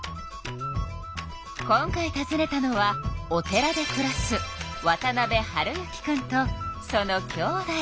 今回たずねたのはお寺でくらす渡辺温之くんとそのきょうだい。